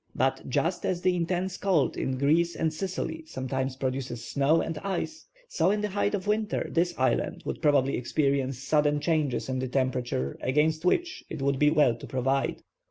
But just as the intense cold in Greece and Sicily sometimes produces snow and ice, so, in the height of winter, this island would probably experience sudden changes in the temperature against which it would be well to provide.